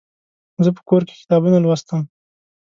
زه په کور کې کتابونه لوستم.